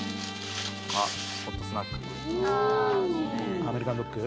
「あっホットスナック」